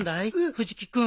藤木君。